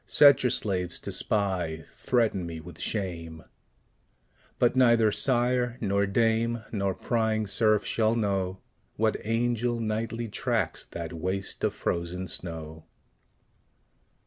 Set your slaves to spy; threaten me with shame: But neither sire nor dame, nor prying serf shall know, What angel nightly tracks that waste of frozen snow.